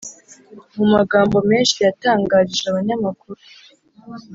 mu magambo menshi yatangarije abanyamakuru,